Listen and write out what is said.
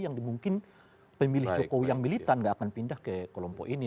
yang dimungkin pemilih jokowi yang militan nggak akan pindah ke kelompok ini